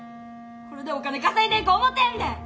これでお金稼いでいこう思てんねん！